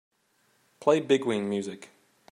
Play biguine music.